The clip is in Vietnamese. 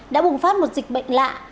đã bùng phát một dịch bệnh lạ